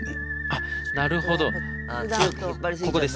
あっなるほど。